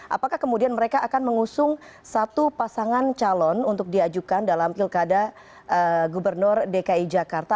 apakah kemudian mereka akan mengusung satu pasangan calon untuk diajukan dalam pilkada gubernur dki jakarta